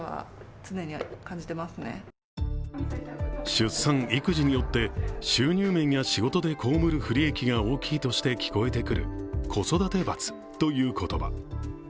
出産・育児によって収入面や仕事で被る不利益が大きいとして聞こえてくる子育て罰という言葉。